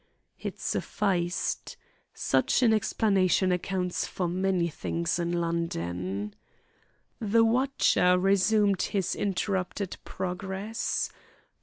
It sufficed. Such an explanation accounts for many things in London. The watcher resumed his interrupted progress.